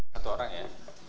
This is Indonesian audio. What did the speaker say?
satu orang ya